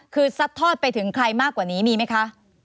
คือซัดทอดไปถึงใครมากกว่านี้มีไหมคะ